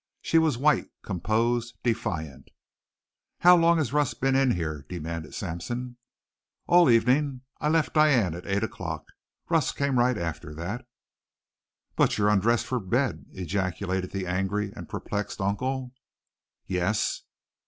She was white, composed, defiant. "How long has Russ been in here?" demanded Sampson. "All evening. I left Diane at eight o'clock. Russ came right after that." "But you'd undressed for bed!" ejaculated the angry and perplexed uncle. "Yes."